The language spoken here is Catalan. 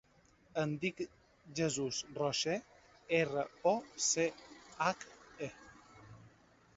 Em dic Jesús Roche: erra, o, ce, hac, e.